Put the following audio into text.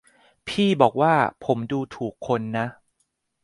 พี่บอกว่าผมดูถูกคนนะ